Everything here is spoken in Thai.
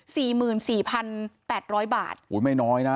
สี่หมื่นสี่พันแปดร้อยบาทอุ้ยไม่น้อยนะ